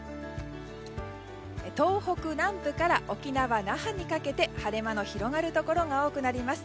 東北南部から沖縄・那覇にかけて晴れ間の広がるところが多くなります。